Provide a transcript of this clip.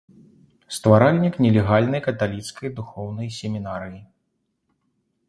Стваральнік нелегальнай каталіцкай духоўнай семінарыі.